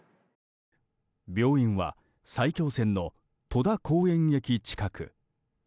病院は埼京線の戸田公園駅近く。